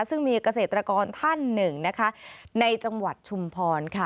ซึ่งมีเกษตรกรท่านหนึ่งนะคะในจังหวัดชุมพรค่ะ